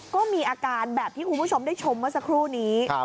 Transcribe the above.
ก็มีอาการแบบที่คุณผู้ชมได้ชมเมื่อสักครู่นี้